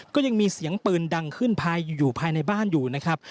ก็ยังมีเสียงปืนดังขึ้นภายอยู่ภายในบ้านอยู่นะครับ